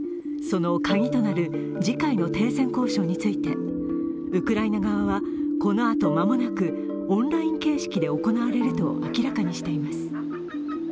そのカギとなる次回の停戦交渉について、ウクライナ側はこのあと間もなくオンライン形式で行われると明らかにしています。